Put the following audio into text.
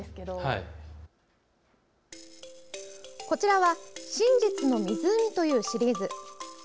こちらは「真実の湖」というシリーズ。